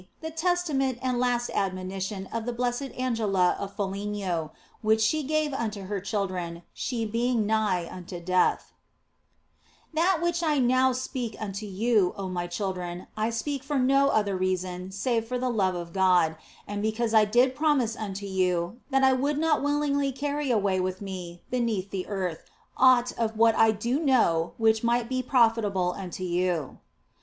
THE TESTAMENT AND LAST ADMONITION OF THE BLESSED ANGELA OF FOLIGNO WHICH SHE GAVE UNTO HER CHILDREN, SHE BEING NIGH UNTO DEATH " THAT which I now speak unto you, oh my children, I speak for no other reason save for the love of God, and OF FOLIGNO 259 because I did promise unto you that I would not willingly carry away with me beneath the earth aught of what I do know which might be profitable unto you.